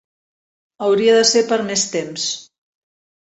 Hauria de ser per més temps.